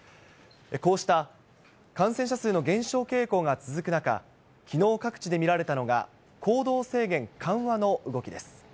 こうした感染者数の減少傾向が続く中、きのう各地で見られたのが、行動制限緩和の動きです。